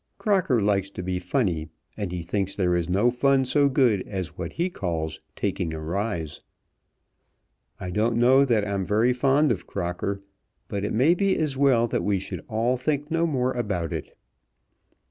Crocker likes to be funny, and he thinks there is no fun so good as what he calls taking a rise. I don't know that I'm very fond of Crocker, but it may be as well that we should all think no more about it."